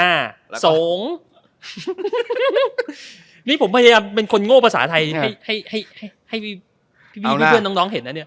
อ่าสงนี่ผมพยายามเป็นคนโง่ภาษาไทยให้ให้ให้ให้ให้พี่พี่เพื่อนน้องน้องเห็นน่ะเนี่ย